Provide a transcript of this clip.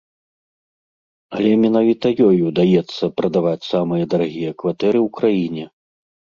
Але менавіта ёй удаецца прадаваць самыя дарагія кватэры ў краіне.